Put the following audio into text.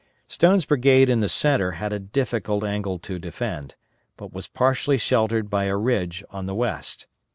Stone's brigade in the centre had a difficult angle to defend, but was partially sheltered by a ridge on the west.